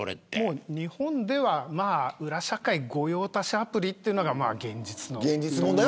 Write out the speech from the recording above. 日本では裏社会御用達アプリというのが現実と。